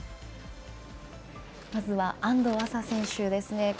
まずは安藤麻選手ですね。